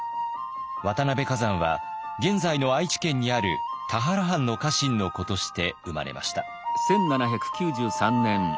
渡辺崋山は現在の愛知県にある田原藩の家臣の子として生まれました。